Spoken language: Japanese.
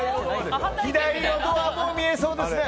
左のドアも見えそうですね。